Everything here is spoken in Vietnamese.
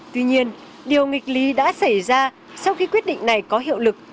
tuy nhiên điều nghịch lý đã xảy ra sau khi quyết định này có hiệu lực